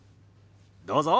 どうぞ。